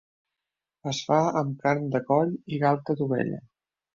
Es fa amb carn de coll i galta d'ovella.